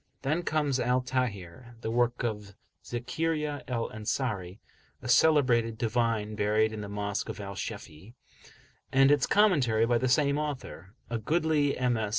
Then comes Al Tahrir, the work of Zakariya al Ansari, a celebrated divine buried in the Mosque of Al Shafe'i, and its commentary by the same author, a goodly MS.